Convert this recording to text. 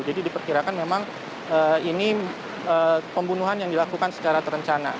jadi diperkirakan memang ini pembunuhan yang dilakukan secara terencana